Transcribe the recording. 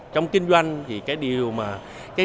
trong kinh doanh thì cái điều mà